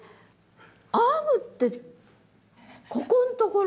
編むってここんところ？